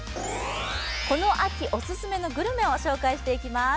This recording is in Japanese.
この秋オススメのグルメを紹介していきます。